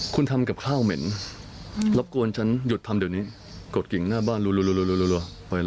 คุณทำกับข้าวเหม็นอืมรบกวนฉันหยุดทำเดี๋ยวนี้